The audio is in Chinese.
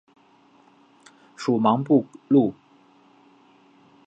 属茫部路。